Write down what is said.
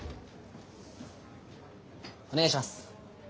お願いします。